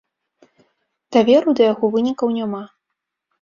Даверу да яго вынікаў няма.